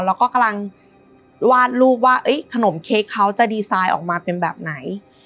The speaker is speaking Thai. แล้วก็กำลังวาดรูปว่าขนมเค้กเขาจะดีไซน์ออกมาเป็นแบบไหน